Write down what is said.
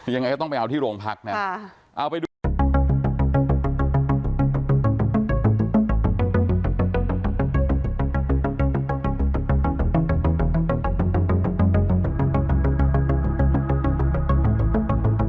ยังไงก็ต้องไปเอาที่โรงพักเนี่ยเอาไปดู